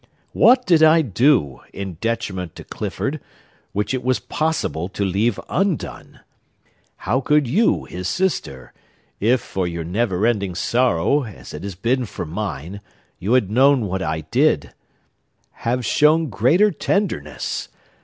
What did I do, in detriment to Clifford, which it was possible to leave undone? How could you, his sister,—if, for your never ending sorrow, as it has been for mine, you had known what I did,—have, shown greater tenderness?